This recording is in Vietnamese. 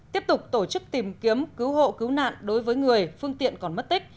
tiếp tục tổ chức tìm kiếm cứu hộ cứu nạn đối với người phương tiện còn mất tích